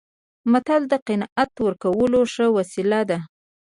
متل د قناعت ورکولو ښه وسیله ده